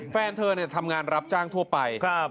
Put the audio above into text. แฟนเธอทำงานรับจ้างทั่วไป